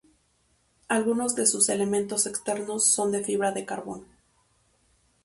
Algunos de sus elementos externos son de fibra de carbono.